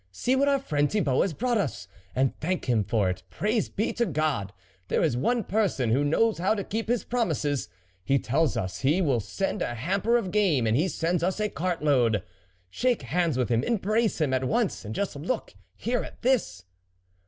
"'" See what our friend Thibault has brought us, and thank him for it. Praise be to God ! there is one per son who knows how to keep his promises ! He tells us he will send a hamper of game, and he sends us a cart load. Shake hands with him, embrace him at once, and just look here at this."